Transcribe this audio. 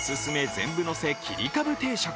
全部のせ切り株定食。